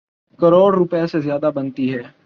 کروڑ روپے سے زیادہ بنتی ہے۔